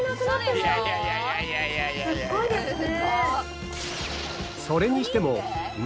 すごいですね。